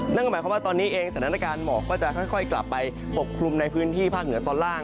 นั่นก็หมายความว่าตอนนี้เองสถานการณ์หมอกก็จะค่อยกลับไปปกคลุมในพื้นที่ภาคเหนือตอนล่าง